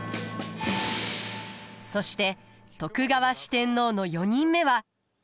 そして徳川四天王の４人目は。